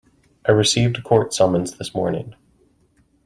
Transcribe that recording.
I received a court summons this morning.